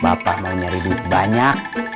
bapak mau nyari lebih banyak